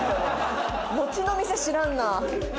餅の店知らんなあ。